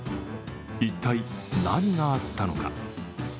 一体、何があったのか。